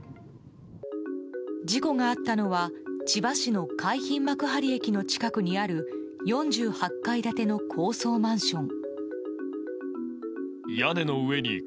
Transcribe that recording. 事故があったのは千葉市の海浜幕張駅の近くにある４８階建ての高層マンション。